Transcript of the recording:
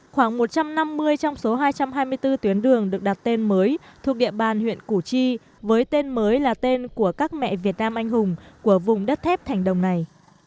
khoảng một trăm năm mươi trong số hai trăm hai mươi bốn tuyến đường được đặt tên mới thuộc địa bàn huyện củ chi với tên mới là tên của các mẹ việt nam anh hùng của vùng đất thép thành đồng này